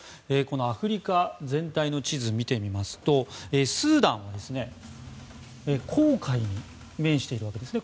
アフリカ全体の地図を見てみますとスーダンは紅海に面しているわけですね。